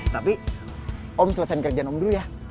tapi om selesain kerjaan om dulu ya